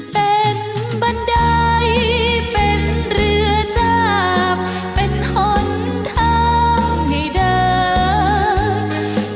เป็นบันไดเป็นเรือจากเป็นหนทางให้เดิน